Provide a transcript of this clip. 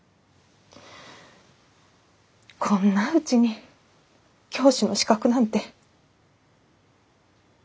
こんなうちに教師の資格なんて。